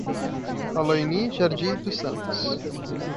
Alainy Jardi dos Santos